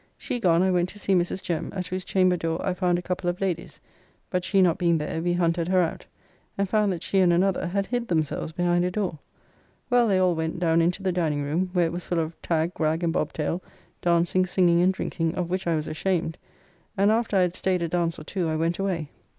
She gone I went to see Mrs. Jem, at whose chamber door I found a couple of ladies, but she not being there, we hunted her out, and found that she and another had hid themselves behind a door. Well, they all went down into the dining room, where it was full of tag, rag, and bobtail, dancing, singing, and drinking, of which I was ashamed, and after I had staid a dance or two I went away.